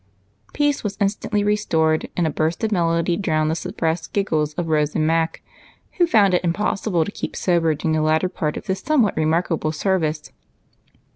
Peace was instantly restored, and a burst of melody drowned the suppressed giggles of Rose and Mac, who found it impossible to keep sober during the latter part of this somewhat remarkable service.